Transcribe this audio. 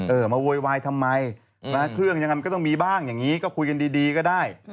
เออมาโวยวายทำไมเครื่องยังไงมันก็ต้องมีบ้างอย่างนี้ก็คุยกันดีก็ได้